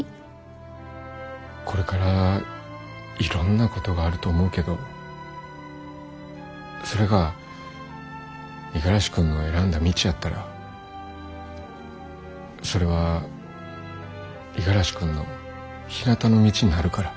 これからいろんなことがあると思うけどそれが五十嵐君の選んだ道やったらそれは五十嵐君のひなたの道になるから。